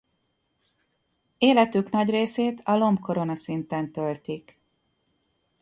Életük nagy részét a lombkoronaszinten töltik.